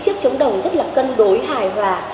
xin chào chị